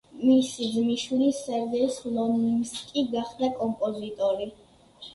მისი ძმისშვილი სერგეი სლონიმსკი გახდა კომპოზიტორი.